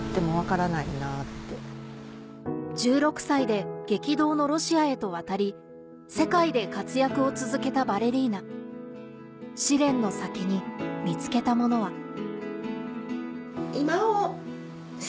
１６歳で激動のロシアへと渡り世界で活躍を続けたバレリーナ試練の先に見つけたのものは？